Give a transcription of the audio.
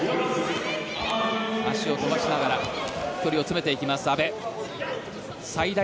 足を飛ばしながら距離を詰めていきます、阿部。